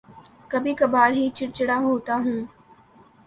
کبھی کبھار ہی چڑچڑا ہوتا ہوں